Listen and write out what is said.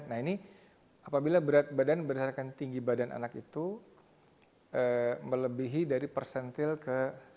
nah ini apabila berat badan berdasarkan tinggi badan anak itu melebihi dari persentil ke